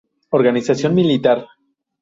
Organización militar.